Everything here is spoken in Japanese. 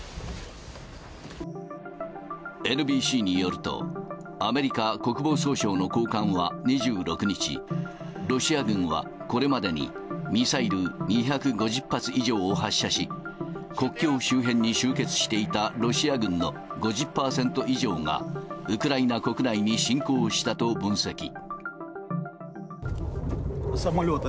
ＮＢＣによると、アメリカ国防総省の高官は２６日、ロシア軍はこれまでに、ミサイル２５０発以上を発射し、国境周辺に集結していたロシア軍の５０％以上が、ウクライナ国内に侵攻したと分析。